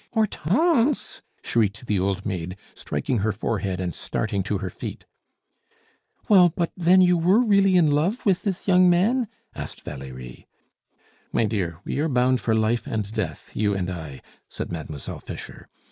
"Hortense!" shrieked the old maid, striking her forehead, and starting to her feet. "Well, but then you were really in love with this young man?" asked Valerie. "My dear, we are bound for life and death, you and I," said Mademoiselle Fischer.